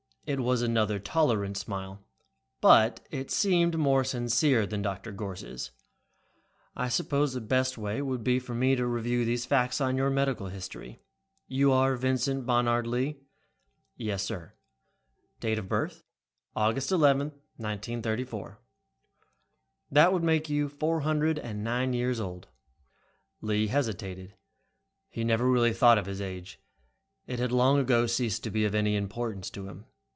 It was another tolerant smile, but it seemed more sincere than Gorss'. "I suppose the best way would be for me to review these facts on your medical history. You are Vincent Bonard Lee?" "Yes, sir." "Date of birth?" "August 11, 1934." "That would make you four hundred nine years old." Lee hesitated. He never really thought of his age. It had long ago ceased to be of any importance to him.